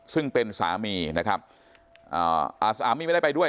ซึ่งเป็นสามีนะครับอ่าอ่าสามีไม่ได้ไปด้วย